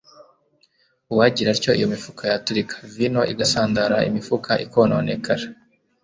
uwagira atyo, iyo mifuka yaturika, vino igasandara imifuka ikononekara."